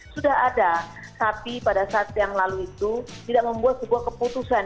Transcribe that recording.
sudah ada tapi pada saat yang lalu itu tidak membuat sebuah keputusan